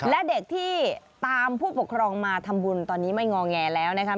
และเด็กที่ตามผู้ปกครองมาทำบุญตอนนี้ไม่งอแงแล้วนะครับ